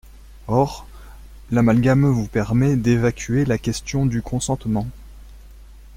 Or, l’amalgame vous permet d’évacuer la question du consentement.